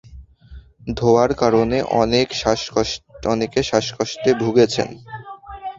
ধোঁয়ার কারণে অনেকে শ্বাসকষ্টে ভুগছেন।